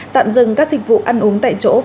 tạm dừng các dịch vụ ăn uống tại chỗ